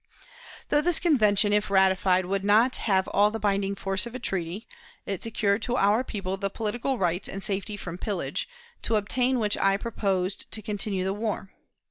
Though this convention, if ratified, would not have all the binding force of a treaty, it secured to our people the political rights and safety from pillage, to obtain which I proposed to continue the war.